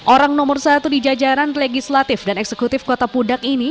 orang nomor satu di jajaran legislatif dan eksekutif kota pudak ini